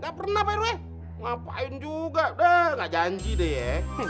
gak pernah pak rw ngapain juga udah gak janji deh